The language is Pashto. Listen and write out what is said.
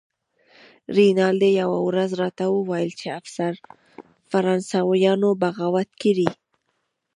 رینالډي یوه ورځ راته وویل چې فرانسویانو بغاوت کړی.